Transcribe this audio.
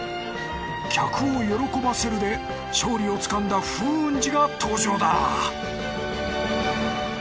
「客を喜ばせる」で勝利をつかんだ風雲児が登場だ！